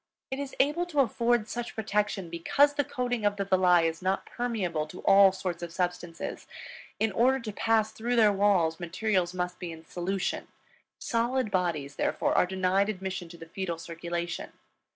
It is able to afford such protection, because the coating of the villi is not permeable to all sorts of substances. In order to pass through their walls, material must be in solution; solid bodies, therefore, are denied admission to the fetal circulation.